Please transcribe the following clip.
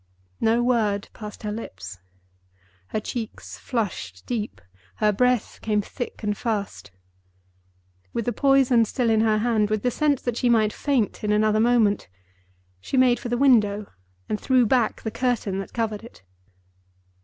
No word passed her lips. Her cheeks flushed deep; her breath came thick and fast. With the poison still in her hand, with the sense that she might faint in another moment, she made for the window, and threw back the curtain that covered it.